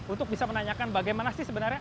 untuk bisa menanyakan bagaimana sih sebenarnya